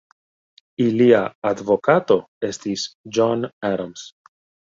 Ilia advokato estis John Adams.